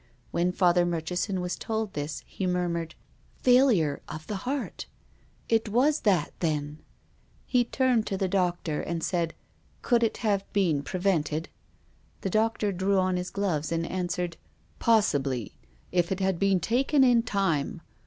When Father Murchison was told this, he mur mured :" Failure of the heart ! It was that then !" He turned to the doctor and said: " Could it have been prevented ?" The doctor drew on his gloves and answered :" Possibly, if it had been taken in time.